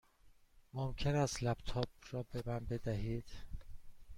ممکن است لپ تاپ را به من بدهید؟